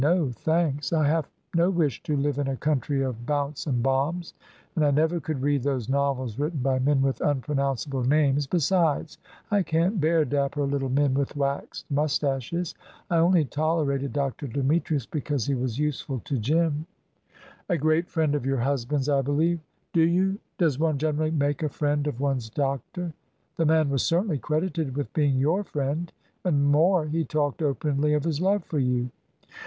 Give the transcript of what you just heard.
No, thanks; I have no wish to live in a country of bounce and bombs. And I never could read those novels written by men with unpronounceable names. Besides, I can't bear dapper little men with waxed moustaches. I only tolerated Dr. Demetrius because he was useful to Jim." "A great friend of your husband's, I believe." "Do you? Does one generally make a friend of one's doctor?" "The man was certainly credited with being your friend. And more, he talked openly of his love for you."